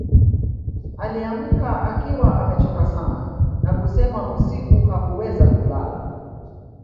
Aliamka akiwa amechoka sana na kusema usiku hakuweza kulala